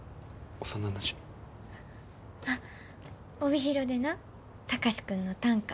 あっ、帯広でな貴司君の短歌